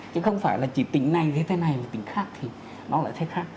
chứ không phải là chỉ tỉnh này thế này tỉnh khác thì nó là thế khác